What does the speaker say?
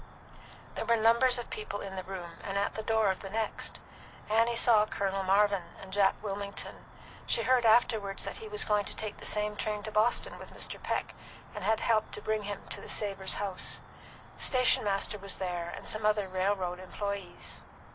There were numbers of people in the room and at the door of the next. Annie saw Colonel Marvin and Jack Wilmington. She heard afterward that he was going to take the same train to Boston with Mr. Peck, and had helped to bring him to the Savors' house. The stationmaster was there, and some other railroad employes.